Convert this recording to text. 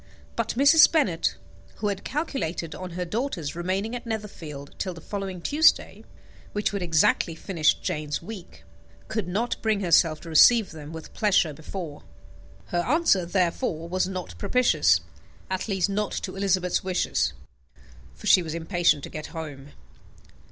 But Mrs. Bennet, who had calculated on her daughters remaining at Netherfield till the following Tuesday, which would exactly finish Jane's week, could not bring herself to receive them with pleasure before. Her answer, therefore, was not propitious, at least not to Elizabeth's wishes, for she was impatient to get home.